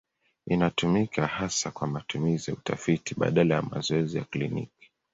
Inatumika hasa kwa matumizi ya utafiti badala ya mazoezi ya kliniki.